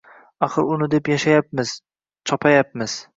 Axir uni deb yashayapmiz, chopayapmiz.